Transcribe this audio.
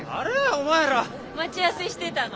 お前ら。待ち合わせしてたの。